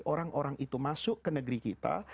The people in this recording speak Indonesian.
orang orang itu masuk ke negeri kita